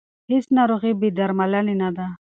هیڅ ناروغي بې درملنې نه ده.